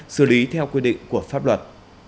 xử lý theo quy định của pháp luật